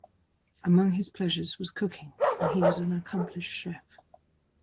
Among his pleasures was cooking and he was an accomplished chef.